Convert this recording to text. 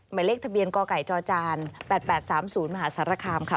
หมายเลขทะเบียนกไก่จจ๘๘๓๐มหาสารคามค่ะ